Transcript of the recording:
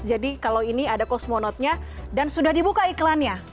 jadi kalau ini ada kosmonautnya dan sudah dibuka iklannya